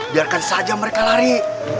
biarkan saja mereka lari